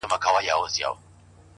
هغه له منځه ولاړ سي’